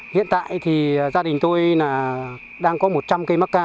hiện tại thì gia đình tôi đang có một trăm linh cây mắc ca